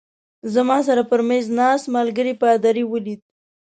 زما سره پر مېز ناست ملګري پادري ولید.